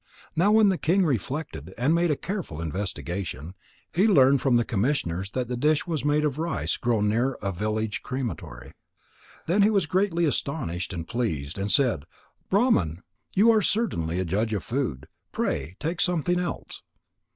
Now when the king reflected and made a careful investigation, he learned from the commissioners that the dish was made of rice grown near a village crematory. Then he was greatly astonished and pleased, and said: "Brahman, you are certainly a judge of food. Pray take something else."